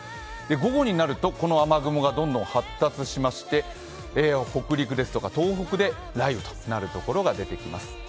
午後になるとこの雨雲が発達してきまして北陸ですとか東北で雷雨になるところが出てきます。